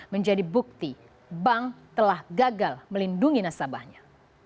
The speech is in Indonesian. menjadi bukti bank telah gagal melindungi nasabahnya